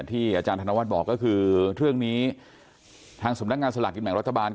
อาจารย์ธนวัฒน์บอกก็คือเรื่องนี้ทางสำนักงานสลากกินแบ่งรัฐบาล